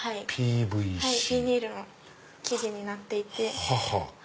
ビニールの生地になっていて。